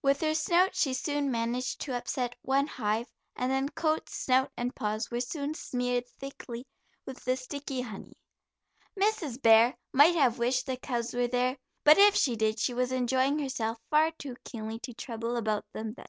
With her snout she soon managed to upset one hive, and then coat, snout and paws were soon smeared thickly with the sticky honey. Mrs. Bear might have wished the cubs were there, but if she did she was enjoying herself far too keenly to trouble about them then.